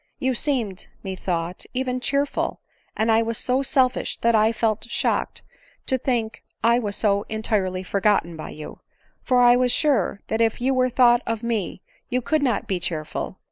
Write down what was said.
You seemed, methought, even cheerful, and I was so selfish that I felt shocked to think I was so entirely forgotten by you ; for I was sure that if you thought of me you could not be cheerful.